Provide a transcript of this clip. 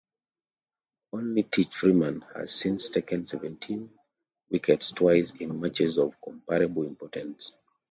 Only Tich Freeman has since taken seventeen wickets twice in matches of comparable importance.